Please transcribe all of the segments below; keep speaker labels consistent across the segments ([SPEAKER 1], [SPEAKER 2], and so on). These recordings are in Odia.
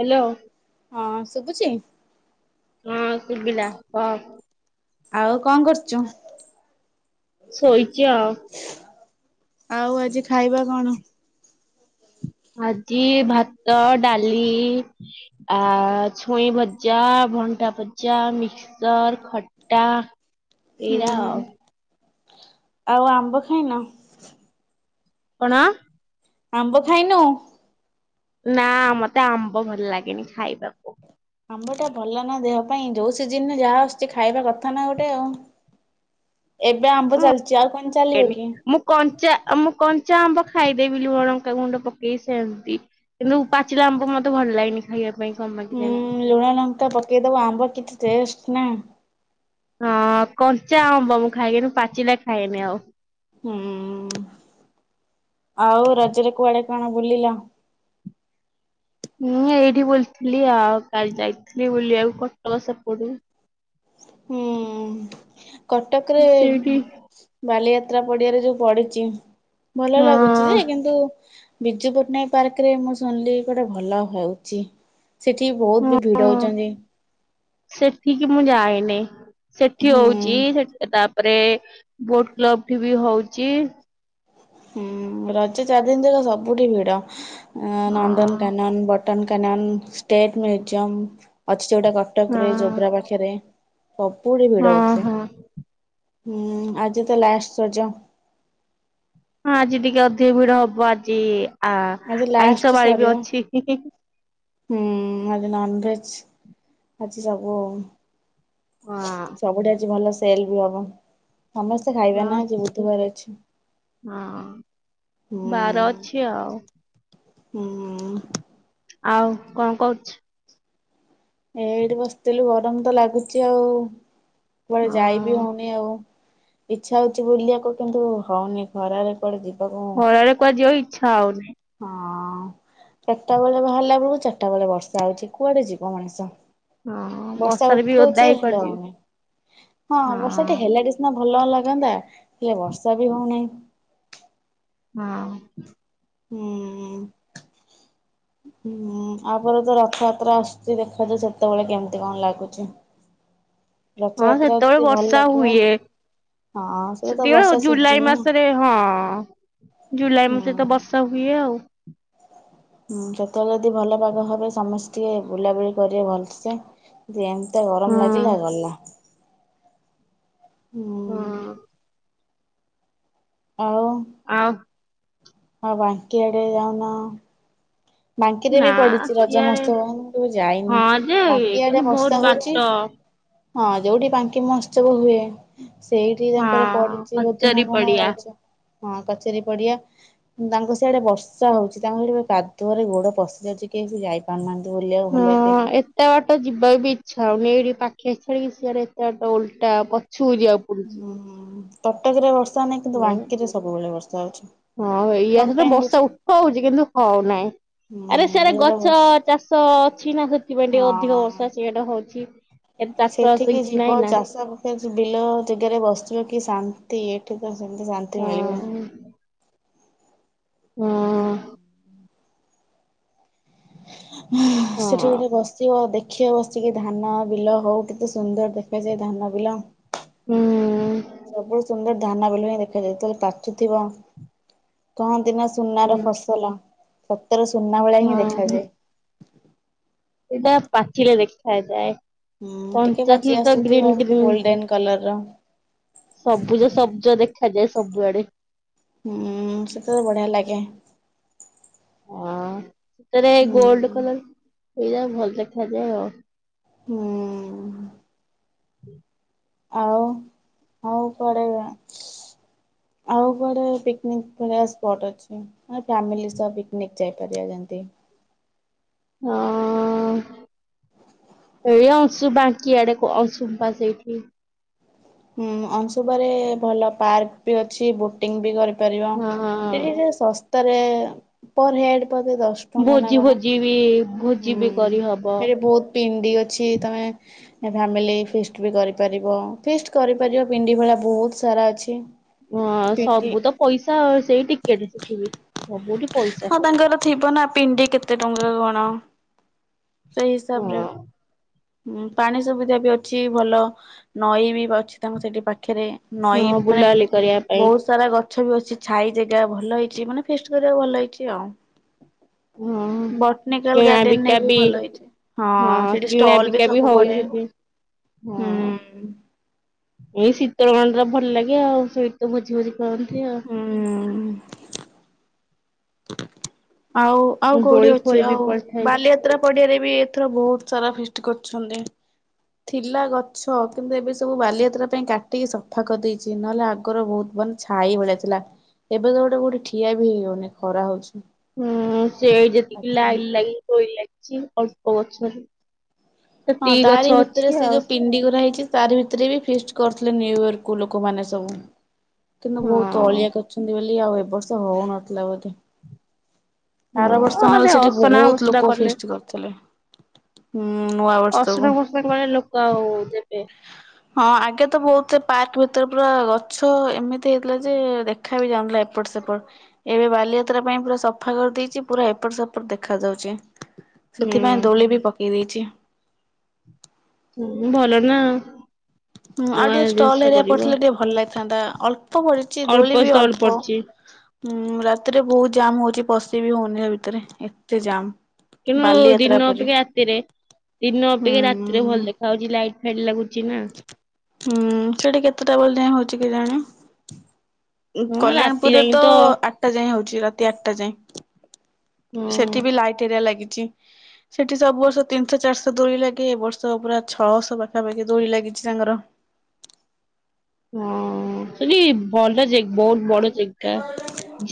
[SPEAKER 1] ହ୍ୟାଲୋ।
[SPEAKER 2] ହଁ ଶୁଭୁଛି।
[SPEAKER 1] ହଁ ଶୁଭିଲା କହ।
[SPEAKER 2] ଆଉ କଣ କରୁଛୁ।
[SPEAKER 1] ସୋଇ ଚି ଆଉ।
[SPEAKER 2] ଆଉ ଆଜି ଖାଇବା କଣ?
[SPEAKER 1] ଆଜି ଭାତ ଡାଲି ଆ ଛୁଇଁ ଭଜା ଭଣ୍ଟା ଭଜା ମିକ୍ଚର ଖଟା
[SPEAKER 2] ହୁଁ ହୁଁ
[SPEAKER 1] ଏଇଆଉ।
[SPEAKER 2] ଆଉ ଆମ୍ବ ଖାଇନ।
[SPEAKER 1] କଣ?
[SPEAKER 2] ଆମ୍ବ ଖାଇନୁ।
[SPEAKER 1] ନା ମତେ ଆମ୍ବ ଭଲ ଲାଗେନି ଖାଇବାକୁ।
[SPEAKER 2] ଆମ୍ବ ଟା ଭଲ ନା ଦେହ ପାଇଁ ଯୋଉ ସିଜିନରେ ଯାହା ଆସୁଛି ଖାଇବା କଥା ନା ଗୋଟେ ଆଉ। ଏବେ ଆମ୍ବ ଚାଲିଛି ଆଉ କଣ
[SPEAKER 1] ହଁ
[SPEAKER 2] ଚାଲିବ କି?
[SPEAKER 1] ମୁଁ କଞ୍ଚା ମୁଁ କଞ୍ଚା ଆମ୍ୱ ଖାଇଦେବି ଲୁଣ ଲଙ୍କା ଗୁଣ୍ଡ ପକେଇକି ସେମତି କିନ୍ତୁ ପାଚିଲା ଆମ୍ବ ମତେ ଭଲ ଲାଗେନି ଖାଇବାକୁ। ପାଇଁ କଣ ପାଇଁ
[SPEAKER 2] ହୁଁ
[SPEAKER 1] କେଜାଣି।
[SPEAKER 2] ଲୁଣ ଲଙ୍କା ପକେଇଦବ ଆମ୍ବ କିଛି ଟେଷ୍ଟ ନା।
[SPEAKER 1] ହଁ କଞ୍ଚା ଅମ୍ବ ମୁଁ ଖାଇକନି ପାଚିଲା ଖାଇନି ଆଉ।
[SPEAKER 2] ହୁଁ ଆଉ ରଜରେ କୁଆଡେ କଣ ବୁଲିଲ।
[SPEAKER 1] ମୁଁ ଏଇଠି ବୁଲଥିଲି ଆଉ କାଲି ଯାଇଥିଲି ବୁଲିବାକୁ କଟକ ସେପଟକୁ।
[SPEAKER 2] ହୁଁ। କଟକ ରେ
[SPEAKER 1] ସେଇଠି
[SPEAKER 2] ବାଲିଯା ଯାତ୍ରା ପଡିଆରେ ଯୋଉ ପଡିଛି ଭଲ ଲାଗୁଛି
[SPEAKER 1] ହଁ
[SPEAKER 2] ଯେ କିନ୍ତୁ ବିଜୁ ପଟ୍ଟନାୟକ ପାର୍କ ରେ ମୁଁ ଶୁଣିଲି ଗୋଟେ ଭଲ ହଉଛି।
[SPEAKER 1] ହଁ ସେଠିକି ମୁଁ ଯାଇନି। ସେଠି
[SPEAKER 2] ହୁଁ।
[SPEAKER 1] ହଉଛି ତା ତାପରେ ବୋଟ କ୍ଲବ ଠି ବି ହଉଛି।
[SPEAKER 2] ହୁଁ ରଜ ଚାରଦିନ ତକ ସବୁଠି ଭିଡ। ନନ୍ଦନ
[SPEAKER 1] ହଁ
[SPEAKER 2] Kanan but Nandan Kanan, state museum ଅଛି ଗୋଟେ କଟକରେ
[SPEAKER 1] ହଁ
[SPEAKER 2] ଜୋବ୍ରା ପାଖରେ। ସବୁ ଠିି ଭିଡ
[SPEAKER 1] ହଁ
[SPEAKER 2] ହଉଥିଲେ।
[SPEAKER 1] ହଁ।
[SPEAKER 2] ହୁଁ ଆଜି ତ ଲାଷ୍ଟ ରଜ।
[SPEAKER 1] ହଁ ଆଜି ଟିକେ ଅଧିକ ଭିଡ ହବ ଆଜି। ଆ
[SPEAKER 2] ଆଜି ଲାଷ୍ଟ
[SPEAKER 1] ଆଇଁଷ ବାରି ବି
[SPEAKER 2] ସରିବ
[SPEAKER 1] ଅଛି।
[SPEAKER 2] ହୁଁ ଆଜି ନନଭେଜ ଆଜି ସବୁ
[SPEAKER 1] ହଁ
[SPEAKER 2] ସବୁଠେ ଆଜି ଭଲ ସ ସେଲ ବି ହବ୍। ସମସ୍ତେ ଖାଇବେ
[SPEAKER 1] ହଁ
[SPEAKER 2] ନା ଆଜି ବୁଧବାର ଅଛି
[SPEAKER 1] ହଁ
[SPEAKER 2] ହୁଁ।
[SPEAKER 1] ବାର ଅଛି ଆଉ।
[SPEAKER 2] ହୁଁ।
[SPEAKER 1] ଆଉ କଣ କରୁଛୁ?
[SPEAKER 2] ଏଇଠି ବସିଥିଲୁ ଗରମ ତ ଲାଗୁଚି ଆଉ। କୁଆଡେ ଯାଇ ବି
[SPEAKER 1] ହଁ
[SPEAKER 2] ହଉନି ଆଉ। ଇଛା ହଉଛି ବୁଲିବାକୁ କିନ୍ତୁ ହଉନି ଖରାରେ କୁଆଡେ ଯିବାକୁ ହଁ।
[SPEAKER 1] ଖରାରେ କୁଆଡ଼େ ଯିବାକୁ ଇଚ୍ଛା ହଉନି।
[SPEAKER 2] ହଁ ଚାରିଟା ବେଳେ ବାହାରିଲା ବେଳକୁ ଚାରିଟା ବେଳେ ବର୍ଷା ହଉଛି କୁଆଡେ ଯିବ ମଣିଷ।
[SPEAKER 1] ହଁ
[SPEAKER 2] [inaudible] ବର୍ଷା
[SPEAKER 1] ବର୍ଷାରେ ବି ଓଦା
[SPEAKER 2] ଉଠଉଛି
[SPEAKER 1] ହେଇ କୁଆଡେ
[SPEAKER 2] ହେଲେ
[SPEAKER 1] ଯିବେ।
[SPEAKER 2] ହଉନି ହଁ ବର୍ଷାଟି ହେଲେ ଟିକେ ସିନା ଭଲ ଲାଗନ୍ତା ହେଲେ ବର୍ଷା ବି ହଉନାହିଁ।
[SPEAKER 1] ହଁ।
[SPEAKER 2] ହୁଁ। ହୁଁ ଆପରେ ତ ରଥଯାତ୍ରା ଆସୁଛି ଦେଖାଯାଉ ସେତେବେଳେ କେମିତି କଣ ଲାଗୁଛି।
[SPEAKER 1] ହଁ
[SPEAKER 2] ରଥଯାତ୍ରା
[SPEAKER 1] ସେତେବଳେ
[SPEAKER 2] ଯଦି ଭଲ
[SPEAKER 1] ବର୍ଷା
[SPEAKER 2] ଲାଗିବ
[SPEAKER 1] ହୁଏ।
[SPEAKER 2] ହଁ ସେଟା ତ
[SPEAKER 1] ସେତିକବେଳେ
[SPEAKER 2] ବର୍ଷା ସିଜିନ
[SPEAKER 1] ଜୁଲାଇ
[SPEAKER 2] ନା।
[SPEAKER 1] ମାସରେ ହଁ ଜୁଲାଇ ମାସରେ ତ
[SPEAKER 2] ହୁଁ।
[SPEAKER 1] ବର୍ଷା ହୁଏ ଆଉ।
[SPEAKER 2] ହୁଁ ସେତେବେଳେ ଯଦି ଭଲ ପାଗ ହବେ ସମସ୍ତିଏ ବୁଲାବୁଲି କରିବା ଭଲସେ ଜେମ୍ ତା ଗରମ
[SPEAKER 1] ହଁ
[SPEAKER 2] ଲାଗିଲା ଗଲା।
[SPEAKER 1] ହୁଁ।
[SPEAKER 2] ଆଉ
[SPEAKER 1] ଆଉ
[SPEAKER 2] ହଁ ବାଙ୍କିଆଡେ ଯାଉନ। ବାଙ୍କିରେ ବି
[SPEAKER 1] ନା
[SPEAKER 2] ପଡିଛି ରଜ
[SPEAKER 1] ସିଆଡେ
[SPEAKER 2] ମହୋତ୍ସବ ମୁଁ କେବେ ଯାଇନି
[SPEAKER 1] ହଁ ଯେ
[SPEAKER 2] ବାଙ୍କି ଆଡେ
[SPEAKER 1] କିନ୍ତୁ ବହୁତ
[SPEAKER 2] ବର୍ଷା ହଉଚି।
[SPEAKER 1] ବାଟ
[SPEAKER 2] ହଁ ଯୋଉଠି ବାଙ୍କି ମହୋତ୍ସବ ହୁଏ। ସେଇଠି ତାଙ୍କର
[SPEAKER 1] ହଁ
[SPEAKER 2] ପଡିିଛି ବୋଧେ ନା
[SPEAKER 1] କଚେରୀ
[SPEAKER 2] କଣ
[SPEAKER 1] ପଡିଆ।
[SPEAKER 2] ରଜ? ହଁ କଚେରୀ ପଡିଆ ତାଙ୍କୁ ସିଆଡେ ବର୍ଷା ହଉଚି ତାଙ୍କ ସେଥି କାଦ୍ କାଦୁଅ ରେ ଗୋଡ ପସିଯାଉଚି କେହି ବି ଯାଇ ପାରୁନାହାନ୍ତି। ବୁଲିବାକୁ ଭଲ
[SPEAKER 1] ହୁଁ
[SPEAKER 2] ଟ୍ରେନ।
[SPEAKER 1] ଏତେ ବାଟ ଯିବାକୁ ବି ଇଚ୍ଛା ହଉନି ଏ ଯିଏ ପାଖିଆ ଛାଡ଼ିକି ଶିଆଡେ ଏତେ ବାଟ ଓଲଟା ପଚ୍। ଛୁରିଆ ପୁରୁଚି।
[SPEAKER 2] ହୁଁ କଟକରେ ଏ ବର୍ଷ
[SPEAKER 1] ଉଁ ହଁ ଏଇଆ
[SPEAKER 2] କଣ
[SPEAKER 1] ହେଲେ
[SPEAKER 2] ପାଇଁ
[SPEAKER 1] ବର୍ଷା
[SPEAKER 2] ହଉଛି
[SPEAKER 1] ଉଠଉଚି କିନ୍ତୁ ହଉନାହିଁ ଆରେ
[SPEAKER 2] ହୁଁ
[SPEAKER 1] ସିଆଡେ
[SPEAKER 2] ଏଇଟା
[SPEAKER 1] ଗଛ
[SPEAKER 2] ବର୍ଷ
[SPEAKER 1] ଚାଷ ଅଛି ନା ସେଥିପାଇଁ ଟିକେ ଅଧିକ
[SPEAKER 2] ହଁ।
[SPEAKER 1] ବର୍ଷା ସିଆଡେ ହଉଚି।
[SPEAKER 2] ସେଠିକି ଯିବ ଚାଷ [unintelligible] ବସିିବ କି ଶାନ୍ତ ତି ଏଠିକି ଆସ୍ ସେମିତି ଶାନ୍ତି
[SPEAKER 1] ହଁ
[SPEAKER 2] ମିଳିବନି।
[SPEAKER 1] ହଁ
[SPEAKER 2] ହୁଁ। ହ ହୁଁ ସେଠି
[SPEAKER 1] ହଁ
[SPEAKER 2] ଗୋଟେ ବସିବ ଦେଖ ଦେଖିବ ବସିକି ଧାନ ବିଲ ହଉ କେତେ ସୁନ୍ଦର ଦେଖାଯାଏ ଧାନ ବିଲ।
[SPEAKER 1] ହୁଁ।
[SPEAKER 2] ସବୁ ସୁନ୍ଦର ଧାନ ବିଲ ଦେଖାଯାଏ ଯେତେବେଳ ପାଚୁଥିବ କମ୍ ଦିନା ସୁନାର ଫସଲ। ସତ୍ ସତରେ ସୁନା ଭଳିଆ ହିଁ ଦେଖାଯାଏ।
[SPEAKER 1] ସେଇଟା ପାଚିଲେ ଦେଖାଯାଏ।
[SPEAKER 2] ହୁଁ ଟିକେ
[SPEAKER 1] କଞ୍ଚା
[SPEAKER 2] ପାଚି
[SPEAKER 1] ଥିଲେ ତ ଗ୍ରୀନ୍
[SPEAKER 2] ଆସୁଥିବ
[SPEAKER 1] ଗ୍ରୀନ୍
[SPEAKER 2] ଗୋଲଡେନ କଲର ର।
[SPEAKER 1] ସବୁଜ ସବୁଜ ଦେଖାଯାଏ ସବୁଆଡେ।
[SPEAKER 2] ହୁଁ ସେତ ତ ବଢିଆ ଲାଗେ।
[SPEAKER 1] ହଁ। ସତରେ
[SPEAKER 2] ହୁଁ
[SPEAKER 1] ଗୋଲ୍ଡ କଲର। ଏୟା ଭଲ ଦେଖାଯାଏ ଆଉ।
[SPEAKER 2] ହୁଁ।
[SPEAKER 1] ହୁଁ
[SPEAKER 2] ଆଉ ଆଉ କୁଆଡେ ସ୍ ଆଉ କୁଆଡେ ପିକନିନ ସ୍ପଟ୍ ଅଛି ଆଉ ଫ୍ୟାମିଲି ସହ ପିକନିକ୍ ଯାଇ ପାରିବା ଯେମିତି।
[SPEAKER 1] ହଁ ଏ ଅଂଶୁପା ବାଙ୍କି ଆଡେ କୁଆ ଅଂଶୁପା ସେଇଠି।
[SPEAKER 2] ହୁଁ ଅଂଶୁପାରେ ଭଲ ପାର୍କ ବି ଅଛି ବୋଟିଂ ବି କରି କରିବା ସେଠି
[SPEAKER 1] ହଁ।
[SPEAKER 2] ସବୁ ଶସ୍ ତାରେ ପର ହେଡ଼୍।
[SPEAKER 1] ଭୋଜି ଫୋଜି ବି। ଭୋଜି ବି କରିହବ।
[SPEAKER 2] ପଡି ଅଛି ତମେ ଫାମିଲି ଫିଷ୍ଟ ବି କରିପାରିବ ଫିଷ୍ଟ କରିପାରିବ ପିଣ୍ଡି ଭଳିଆ ବହୁତ ସାରା ଅଛି।
[SPEAKER 1] ହଁ
[SPEAKER 2] ପିଣ୍ଡି
[SPEAKER 1] ସବୁ ତ ପଇସା ସେଇ ଟିକେଟ ସେଠି ବି। ସବୁଠି ପଇସା।
[SPEAKER 2] ହଁ ତାଙ୍କର ଥିବ ନା ପିଣ୍ଡି କେତେ ଟଙ୍କା କଣ? ଣ ସେଇ ହିସାବରେ।
[SPEAKER 1] ହଁ
[SPEAKER 2] ହୁଁ ପାଣି ସୁବିଧା ବି ଅଛି ଭଲ ନଈ ବି ଅଛି ତାଙ୍କୁ ସେଠି ପା ପାଖରେ ନଈ
[SPEAKER 1] ହଁ
[SPEAKER 2] ମାନେ
[SPEAKER 1] ବୁଲାବୁଲି କରିବା ପାଇଁ
[SPEAKER 2] ବହୁତ ସାରା ଗ ଗଛ ବି ଅଛି ଛାଇ ଜେଗା ଭଲ ହେଇଛି ମାନେ ଫିଷ୍ଟ କରିବାକୁ ଭଲ ହେଇଛି ଆଉ।
[SPEAKER 1] ହଁ
[SPEAKER 2] ବଟନିକାଲ
[SPEAKER 1] କିଣା
[SPEAKER 2] ଗଡେନ
[SPEAKER 1] ବିକା ବି
[SPEAKER 2] ଭଲ ହେଇଚି ହଁ ସେଇଟି
[SPEAKER 1] କିଣା ବିକା ବି ହଉଛି ସେଥି
[SPEAKER 2] ହୁଁ
[SPEAKER 1] ହଁ ଏଇ ଶି [unintelligible] ଭଲ ଲାଗେ ଆଉ ସେଇଠି ତ ଭୋଜି ଫୋଜି କରନ୍ତି ଆଉ।
[SPEAKER 2] ହୁଁ ଆଉ ଆଉ କୋଉଠି
[SPEAKER 1] ଦୋଳି
[SPEAKER 2] ଅଛି
[SPEAKER 1] ଫୋଳି ବି
[SPEAKER 2] ଆଉ
[SPEAKER 1] ପଡିଥାଏ।
[SPEAKER 2] ବାଲିଯାତ୍ରା ପଡିଆରେ। ଏଥର ବହୁତ ସାରା ଫିଷ୍ଟ କରୁଛନ୍ତି। ଥିଲା ଗଛ କିନ୍ତୁ ଏବେ ସବୁ ବାଲିଯାତ୍ରା ପାଇଁ କାଟିକି ସଫା କରିଦେଇଚି ନହେଲେ ଆଗରୁ ବହୁତ ମାନେ ଛାଇ ଭଳିଆ ଥିଲା ଏବେ ତ ଗୋଟେ ଗୋଟେ ଠିଆ ବି ହେଇହଉନି ଖରା ହଉଛି?
[SPEAKER 1] ହୁଁ ସେ ଯେତିକି
[SPEAKER 2] ଆଜ୍ଞା।
[SPEAKER 1] ଲାଇ ଲାଗି ଶୋଇ ଲାଗି ଚି ଅଳ୍ପ ଗଛ ରେ
[SPEAKER 2] ହଁ
[SPEAKER 1] ସେତିକି
[SPEAKER 2] ତାରି ଭିତରେ ସେ ଯୋଉ ପିଣ୍ଡି ଗୁରା ହେଇଚି। ତାରି ଭିତରେ ବି ଫିଷ୍ଟ କରୁଥିଲେ ନ୍ୟୁୟର୍କ କୁ ଲୋକମାନେ ସବୁ। କିନ୍ତୁ ବହୁତ ଅଳିଆ କରୁଚନ୍ତି ବୋଲି ଏ ଆଉ ଏ ବର୍ଷ ହଉ ନଥିଲା ବୋଧେ।
[SPEAKER 1] ହଁ
[SPEAKER 2] ଆର ବର୍ଷ
[SPEAKER 1] ହଁ ସେ
[SPEAKER 2] ନହେଲେ ସେଠି
[SPEAKER 1] ଅସନା
[SPEAKER 2] ବହୁତ
[SPEAKER 1] ଫସନା
[SPEAKER 2] ଲୋକ
[SPEAKER 1] କଲେ
[SPEAKER 2] ଫିଷ୍ଟ କରିଥିଲେ। ହୁଁ ନୁ
[SPEAKER 1] ଅସନା ଫସନ କରେ ଲୋକ ଆଉ ଦେବେ।
[SPEAKER 2] ହଁ ଆଗେ ତ ବହୁତ ସେ ପାର୍କ ଭିତରେ ପୁରା ଗଛ ଏମିତି ହେଇଥିଲା ଯେ ଦେଖା ବି ଯାଉଥିଲା ଏପଟ ସେପଟ ଏବେ ବାଲିଯାତ୍ରା ପାଇଁ ପୁରା ସଫା କରିଦେଇଚି ପୁରା ଏପଟ ସେପଟ ଦେଖା ଯାଉଚି। ସେଥିପାଇଁ ଦୋଳି ବି ପକେଇ ଦେଇଚି।
[SPEAKER 1] ହଁ ଭଲ ନା।
[SPEAKER 2] ହୁ ଆଉ
[SPEAKER 1] ନୂଆ
[SPEAKER 2] ଟିକେ
[SPEAKER 1] ଜିନିଷ
[SPEAKER 2] ଷ୍ଟଲ ହେରି
[SPEAKER 1] କରିବ।
[SPEAKER 2] ପଡିଥିଲେ ଟିକେ ଭଲ ଲାଗି ଥାନ୍ତା ଅଲ୍ ଳ୍ପ ପଡିଚି
[SPEAKER 1] ଅଳ୍ପ
[SPEAKER 2] ଦୋଳି ବି
[SPEAKER 1] ସେ
[SPEAKER 2] ଅଳ୍ପ।
[SPEAKER 1] ପଡିଛି
[SPEAKER 2] ହୁଁ ରାତିରେ ବହୁତ ଜାମ ହଉଛି ପଶି ବିି ହଉନି ସେ ଭିତରେ ଏତେ ଜାମ।
[SPEAKER 1] ତେଣୁ ଦିନ ଅପେକ୍ଷା ରାତିରେ ଦିନ
[SPEAKER 2] ହୁଁ
[SPEAKER 1] ଅପେକ୍ଷା ରାତିରେ
[SPEAKER 2] ହୁଁ।
[SPEAKER 1] ଭଲ ଦେଖା ହାଉଛି ଲାଇଟ ଫାଇଟ ଲାଗୁଛି ନା।
[SPEAKER 2] ହୁଁ ସେଠି କେତେଟା ବ ଯାଏ ହଉଛି କେଜାଣି।
[SPEAKER 1] ହଁ ରାତି
[SPEAKER 2] କଲ୍ୟାଣପୁରରେ
[SPEAKER 1] ଯାଇ
[SPEAKER 2] ତ ଆଠଟା ଯାଏଁ ହଉଛି। ରାତି ଆଠଟା ଯାଏଁ।
[SPEAKER 1] ହଁ
[SPEAKER 2] ସେଠି ବି ଲାଇଟ ଏରିଆ ଲାଗି ସେଠି ସବୁ ବର୍ଷ ତିନିଶହ ଚାରିଶହ ଦୋଳି ଲାଗେ ଏ ବର୍ଷ ପୁରା ଛଅଶହ ପାଖାପାଖି ଦୋଳି ଲାଗିଛି। ତାଙ୍କ ର
[SPEAKER 1] ହଁ ସେ ବ ଟା ଜ ବହୁତ ବଡ ଜାଗା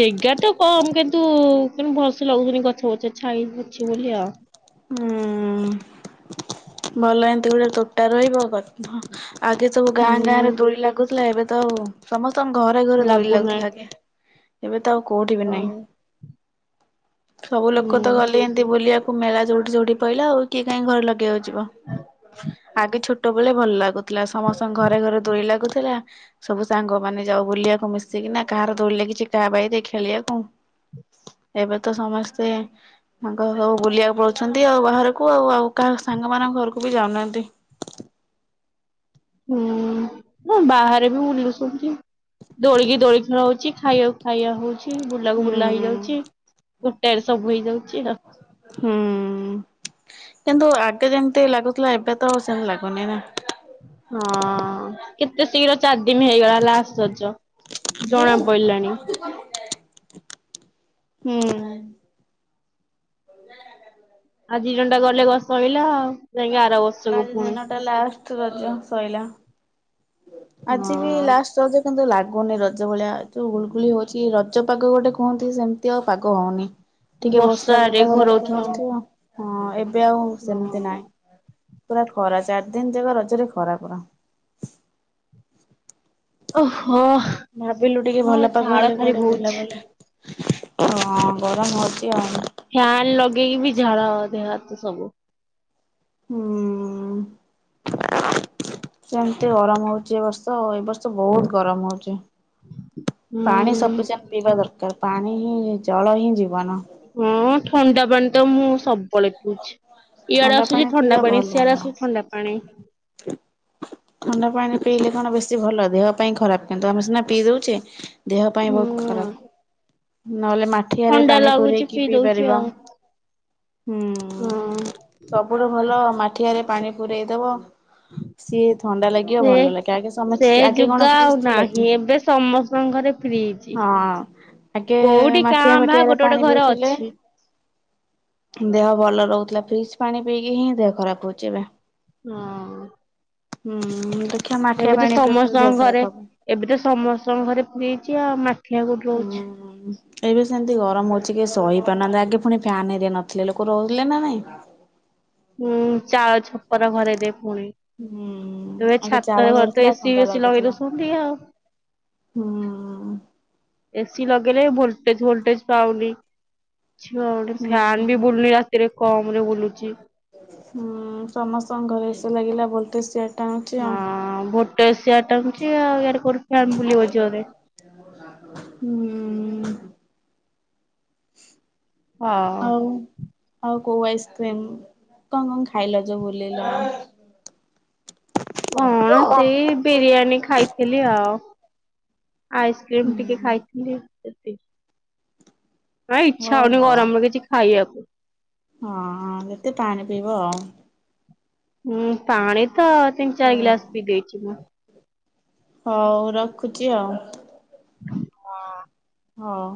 [SPEAKER 1] ଜାଗା ତ କମ କିନ୍ତୁ ତନ୍ତୁ ଭଲସେ ଲାଗୁନି ଗଛ ଗଛ ଛାଇ ବଛି ବୋଲି ଆଉ।
[SPEAKER 2] ହୁଁ ଭଲ ଏତି ଗୋଟେ ତୋଟା ରହିବ ଆଗେ ସବୁ ଗାଁ
[SPEAKER 1] ହୁଁ
[SPEAKER 2] ଗାଁରେ ଦୋଳି ଲାଗୁଥିଲା ଏବେ ତ ସମସ୍ତ ତମ ଘରେ ଘରେ ଦୋଳି
[SPEAKER 1] ଲାଗୁନାହିଁ
[SPEAKER 2] ଲାଗୁଥିଲା ଆଗେ ଏବେ ତ ଆଉ କୋଉଠି ବି
[SPEAKER 1] ହଁ
[SPEAKER 2] ନହିଁ। [unintelligible] ସବୁ
[SPEAKER 1] ହୁଁ
[SPEAKER 2] ଲୋକ ତ ଗଲେ ଏମିତି ବୁଲିବାକୁ ମେଳା ଯୋଉଠି ଯୋଉଠି ପାଇଲା ଆଉ କିଏ କହିଁ ଘରେ ଲଗେଇବ ଆଉ ଆଗେ ଛୋଟ ବେଳେ ଭଲ ଲାଗୁ ଥିଲା ସମସ୍ତଙ୍କ ଘରେ ଘରେ ଦୋଳି ଲାଗୁଥିଲା ଥିଲା ସବୁ ସାଙ୍ଗ ମାନେ ଯାଉ ବୁଲିବାକୁ ମିଶିକିନା କାହାର ଦୌଡିଲେ କିଛି କା ବାାଇ ଦେଇ ଖେଳିବାକୁ ଏବେ ତ ସମସ୍ତେ ସାଙ୍ଗ ସବୁ ବୁଲିବାକୁ ପ ଅଛନ୍ତି ଆଉ ବାହାରକୁ ଆଉ ଆଉ କାହା ସାଙ୍ଗ ମାନଙ୍କ ଘରକୁ ବି ଯାଉନାହାନ୍ତି।
[SPEAKER 1] ହୁଁ ହଁ ବାହାରେ ବି ବୁଲୁ ସମଠି ଦୋଡିକି ଦୋଡିକି ହଉଛି ଖାଇବାକୁ ଖାଇବା ହଉଛି। ବୁଲା କୁ
[SPEAKER 2] ହୁଁ
[SPEAKER 1] ବୁଲା ହେଇଯାଉଛି। ଗୋଟେରେ ସବୁ ହେଇଯାଉଛି। [inaudible]
[SPEAKER 2] ହୁଁ କିନ୍ତୁ ଆଗେ ଯେମିତି ଲାଗୁଥିଲା ଏବେ ତ ସେମିତି ଲାଗୁନି ନା ।
[SPEAKER 1] ହଁ କେତେ ଶିଘ୍ର ଚାରଦିନ ହେଇଗଲା ଲାଷ୍ଟ ରଜ ଜଣା ପଇଁଲାଣି।
[SPEAKER 2] ହୁଁ। [unintelligible]
[SPEAKER 1] ଆଜି ଦିନଟା ଗଲେ ବାସ୍ ସଇଲା ଆଉ। ଯାଇକି ଆର ବର୍ଷକୁ
[SPEAKER 2] ଆଜି
[SPEAKER 1] ପୁଣି
[SPEAKER 2] ଦିନଟା ଲାଷ୍ଟ ରଜ ସଇଲା। ଆଜି ବି
[SPEAKER 1] ହଁ
[SPEAKER 2] ଲାଷ୍ଟ ରଜ କିନ୍ତୁ ଲାଗୁ ଗୁନି ରଜ ଭଳିଆ ଯୋଉ ଗୁଳଗୁଳି ହଉଛି ରଜ ପାଗ ଗୋଟେ କହନ୍ତି ସେମିତି ଆଉ ପାଗ ହଉନି। ଟିକେ ବର୍ଷା
[SPEAKER 1] ବର୍ଷାରେ
[SPEAKER 2] ଘରେ ଘରେ କଣ
[SPEAKER 1] ଘୋରଉଥିବ
[SPEAKER 2] କରିଥିବ? ହଁ ଏବ୍ ଏବେ ଆଉ ସେମିତି
[SPEAKER 1] ହଁ।
[SPEAKER 2] ନାଇଁ। ପୁରା ଖରା ଚାର ଦିନ ଯାକ ରଜରେ ଖରା ପୁରା।
[SPEAKER 1] ଓହୋ
[SPEAKER 2] ଭାବିଲୁ ଟିକେ
[SPEAKER 1] ହଁ
[SPEAKER 2] ଭଲ ପାଗ
[SPEAKER 1] ଝାଳ
[SPEAKER 2] ହେଲେ
[SPEAKER 1] ଖାଲି
[SPEAKER 2] କୁଆଡେ
[SPEAKER 1] ବୋହୁଛି।
[SPEAKER 2] ବୁଲାବୁଲି ହଁ ଗରମ ହଉ।
[SPEAKER 1] ଫ୍ୟାନ୍ ଲଗେଇକି ବି ଝାଳ ଦେହ। ତ ସବୁ
[SPEAKER 2] ହୁଁ। ସେମିତି ଗରମ ହଉଛି ଏ ବଷ୍ ତ ଏ ବର୍ଷ- ବହୁତ ଗରମ ହଉଚି
[SPEAKER 1] ହୁଁ।
[SPEAKER 2] ପାଣିି ସଫିସିଏଣ୍ଟ ପିଇବା ଦରକାର ପାଣ୍ ହୁଁ ଜଳ ହିଁ ଜୀବନ।
[SPEAKER 1] ହଁ ଥଣ୍ଡା ପାଣି ତ ମୁଁ ସବୁବେଳେ ପିଉଚି। ଇଆଡେ
[SPEAKER 2] ଥଣ୍ଡା
[SPEAKER 1] ଆସୁଛି
[SPEAKER 2] ପାଣି
[SPEAKER 1] ଥଣ୍ଡା
[SPEAKER 2] ପିଇବା
[SPEAKER 1] ପାଣି
[SPEAKER 2] ଭଲ
[SPEAKER 1] ସିଆଡେ
[SPEAKER 2] ନୁହଁ।
[SPEAKER 1] ଆସୁଛି ଥଣ୍ଡା ପାଣି।
[SPEAKER 2] [inaudible] ଥଣ୍ଡା ପାଣି ପିଇଲେ କଣ ବେଶି ଭଲ ଦେହ ପାଇଁ ଖରାପ କିନ୍ତୁ ଆମେ ସିନା ପିଇ ଦଉଚେ। ଦେହ ପାଇଁ ବହୁତ
[SPEAKER 1] ହୁଁ।
[SPEAKER 2] ଖରାପ। ନହେଲେ ମାଠିଆରେ
[SPEAKER 1] ଥଣ୍ଡା
[SPEAKER 2] ପାଣି
[SPEAKER 1] ଲାଗୁଛି
[SPEAKER 2] ପୁରେଇକି ପିଇ
[SPEAKER 1] ଦଉଛି
[SPEAKER 2] ପାରିବା
[SPEAKER 1] ଆଉ।
[SPEAKER 2] ହୁଁ
[SPEAKER 1] ହଁ।
[SPEAKER 2] ସବୁଠୁ ଭଲ ମାଠିଆରେ ପାଣି ପୁରେଇ ଦବ।
[SPEAKER 1] [inaudible]
[SPEAKER 2] ସିଏ ଥଣ୍ଡା ଲାଗିବ
[SPEAKER 1] ସେ
[SPEAKER 2] ଭଲ ଲାଗିବ ଆଗେ ସମସ୍ତେ ସେ ଆଗେ
[SPEAKER 1] ଯୁଗ
[SPEAKER 2] କଣ ଫ୍ରିଜ
[SPEAKER 1] ଆଉ
[SPEAKER 2] ଥିଲା କି।
[SPEAKER 1] ନାହିଁ ଏବେ ସମସ୍ତଙ୍କ ଘରେ ଫ୍ରିଜ।
[SPEAKER 2] ହଁ ଆଗେ
[SPEAKER 1] କୋଉଠି କାଁ
[SPEAKER 2] ମାଠିଆ
[SPEAKER 1] ଭାଁ
[SPEAKER 2] ଫାଟିଆରେ
[SPEAKER 1] ଗୋଟେ ଗୋଟେ
[SPEAKER 2] ପାଣି
[SPEAKER 1] ଘରେ
[SPEAKER 2] ପିଉଥିଲେ।
[SPEAKER 1] ଅଛି।
[SPEAKER 2] ଦେହ ଭଲ ରହୁଥିଲା ଫ୍ରିଜ ପାଣି ପିଇକି ହିଁ ଦେହ ଖରାପ ହଉଛି ଏବେ।
[SPEAKER 1] ହୁଁ।
[SPEAKER 2] ହୁଁ। [unintelligible]
[SPEAKER 1] ଏବେ ତ
[SPEAKER 2] ପାଣି ପିଇଲେ କେମିତି
[SPEAKER 1] ସମସ୍ତଙ୍କ
[SPEAKER 2] ଦେହ
[SPEAKER 1] ଘରେ
[SPEAKER 2] ଖରାପ ହବ।
[SPEAKER 1] ଏବେ ତ ସମସ୍ତଙ୍କ ଘରେ ଫ୍ରିଜି ଆଉ ମା
[SPEAKER 2] ହୁଁ ଏବେ ସେମତି ଗରମ ହଉଛି କି ସହି [unintelligible] ଆଗେ ପୁଣି ଫ୍ୟାନ ହେରିକା ନଥିଲେ ଲୋକ ପୁଣି ରହିଲେ ନା ନାଇଁ।
[SPEAKER 1] ହୁଁ ଚାଳ ଛପର ଘରେ ଦେବ ହୁଁ
[SPEAKER 2] ହୁଁ
[SPEAKER 1] ଏ
[SPEAKER 2] ଆଗେ ଚାଳ
[SPEAKER 1] ଛାତ
[SPEAKER 2] ଘର
[SPEAKER 1] ଫାତ
[SPEAKER 2] ଥିଲା
[SPEAKER 1] ଏ ସି
[SPEAKER 2] ଥଣ୍ଡା
[SPEAKER 1] ଫେଶି ଲଗେଇ
[SPEAKER 2] ଲାଗୁଥିଲା
[SPEAKER 1] ଦଉଛନ୍ତି ଆଉ।
[SPEAKER 2] ହୁଁ।
[SPEAKER 1] ଏସି ଲଗେଇଲେ ଭୋଲଟେଜ ଫୋଲଟେଜ ପାଉନି।
[SPEAKER 2] ହୁଁ
[SPEAKER 1] ଫ୍ୟାନ ବି ବୁଲୁନି ରାତିରେ। କମ ରେ ବୁଲୁଛି।
[SPEAKER 2] ହୁଁ ସମସ୍ତଙ୍କ ଘରେ ଏସ ଲାଗିଲା ଭୋଲ୍ଟେଜ୍ ସିଆ
[SPEAKER 1] ହଁ ଭୋଟେଶ ଆ ଟଙ୍କ [inaudible] କରଛ ବୋଲିୁିବ ଜୋରେ
[SPEAKER 2] ହୁଁ ହଉ
[SPEAKER 1] ହଁ
[SPEAKER 2] ଆଉ କୋଉ ଆଇସ୍କ୍ରିମ୍ କଣ କଣ ଖାଇଲା ଯ ବୁଲିଲ।
[SPEAKER 1] କଣ ସେଇ ବିରିୟାନୀ ଖାଇଥିଲି ଆଉ। ଆଇସ୍କ୍ରିମ୍
[SPEAKER 2] ହୁଁ
[SPEAKER 1] ଟିକେ ଖାଇଥିଲି । ସେ ହ ଇଛା ହଉନି
[SPEAKER 2] ଓହୋ
[SPEAKER 1] ଗରମରେ କିଛି ଖାଇବାକୁ।
[SPEAKER 2] ହଁ ଯେତ ପାଣି ପିଇବ
[SPEAKER 1] ହୁଁ ପାଣି ତ ତିନି ଚାରି
[SPEAKER 2] ହଉ
[SPEAKER 1] ଗିଲାସ ପିଇ ଦେଇଛି ମୁଁ।
[SPEAKER 2] ହଉ ରଖୁଛି ଆଉ।
[SPEAKER 1] ହଁ।
[SPEAKER 2] ହଁ।